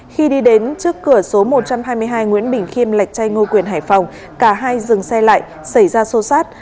khi đi đến trước cửa số một trăm hai mươi hai nguyễn bình khiêm lạch chay ngo quyền hải phòng cả hai dừng xe lại xảy ra sô sát